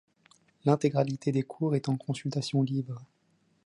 L’intégralité des cours est en consultation libre.